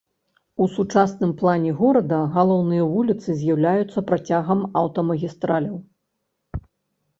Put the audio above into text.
У сучасным плане горада галоўныя вуліцы з'яўляюцца працягам аўтамагістраляў.